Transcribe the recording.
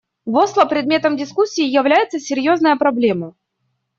В Осло предметом дискуссии является серьезная проблема.